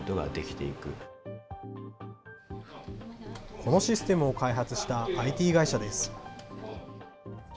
このシステムを開発したＩＴ会社です。